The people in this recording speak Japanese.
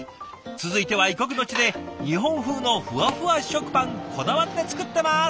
続いては異国の地で日本風のふわふわ食パンこだわって作ってます！